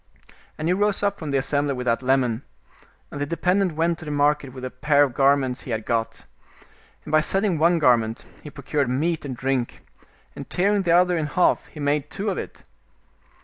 And he rose up from the assembly with that lemon, and the de pendent went to the market with the pair of garments he had got. And by selling one garment he procured meat and drink, and tearing the other in half he made two of it.